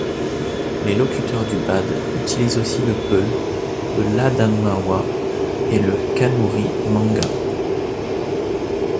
Les locuteurs du bade utilisent aussi le peul de l'Adamawa et le kanouri manga.